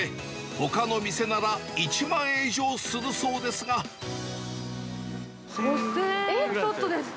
ほかの店なら１万円以上するそう５０００円ちょっとでした。